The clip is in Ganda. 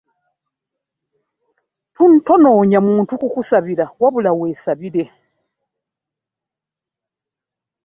Tonoonya muntu kukusabira wabula weesabire.